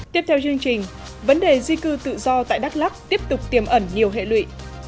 tiếp theo chương trình vấn đề di cư tự do tại đắk lắc tiếp tục tiềm ẩn nhiều hệ lụy